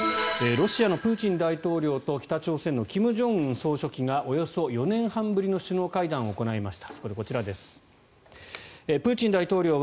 ロシアのプーチン大統領と北朝鮮の金正恩総書記がおよそ４年半ぶりの首脳会談を行いました。